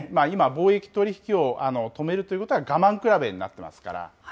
今、貿易取り引きを止めるということは、我慢比べになってますから。